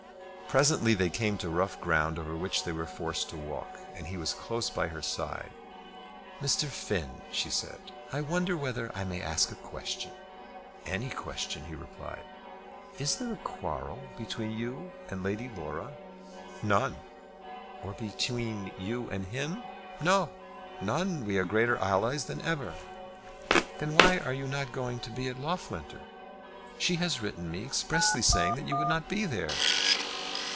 Presently they came to rough ground over which they were forced to walk, and he was close by her side. "Mr. Finn," she said, "I wonder whether I may ask a question?" "Any question," he replied. "Is there any quarrel between you and Lady Laura?" "None." "Or between you and him?" "No; none. We are greater allies than ever." "Then why are you not going to be at Loughlinter? She has written to me expressly saying you would not be there."